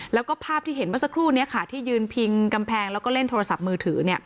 แล้วก็ภาพที่เห็นเมื่อสักครู่นี้ค่ะที่ยืนพิงกำแพงแล้วก็เล่นโทรศัพท์มือถือ